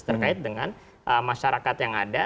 terkait dengan masyarakat yang ada